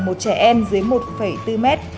một trẻ em dưới một bốn m